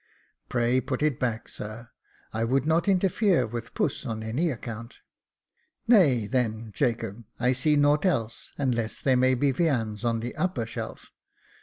" Pray put it back, sir ; I would not interfere with puss on any account." Nay, then, Jacob, I see naught else, unless there may be viands on the upper shelf.